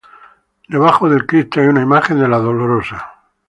Debajo del Cristo hay una imagen de la Virgen Dolorosa.